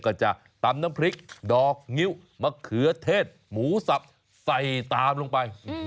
ก็จะตำน้ำพริกดอกงิ้วมะเขือเทศหมูสับใส่ตามลงไป